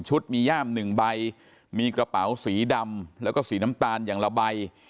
มีย่าม๑ใบมีกระเป๋าสีดำแล้วก็สีน้ำตาลอย่างละใบ